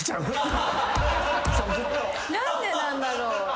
何でなんだろう？